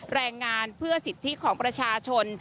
แรงงานเพื่อสิทธิของประชาชน